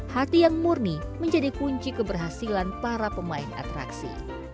hati yang murni menjadi kunci keberhasilan para pemain atraksi